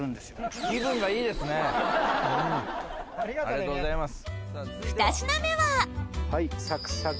ありがとうございます。